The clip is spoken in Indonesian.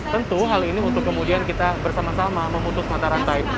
tentu hal ini untuk kemudian kita bersama sama memutuskan antara kain